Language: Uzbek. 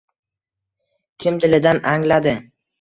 Kim dilidan angladi.